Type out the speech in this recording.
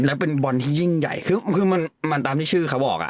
แล้วเป็นบอลที่ยิ่งใหญ่คือคือมันมันตามที่ชื่อเขาบอกอ่ะ